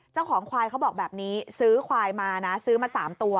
เจ้าของควายเขาบอกแบบนี้ซื้อควายมานะซื้อมา๓ตัว